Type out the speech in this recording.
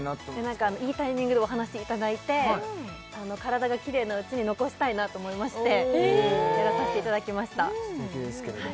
何かいいタイミングでお話いただいて体がキレイなうちに残したいなと思いましてやらさせていただきました素敵ですけれどもね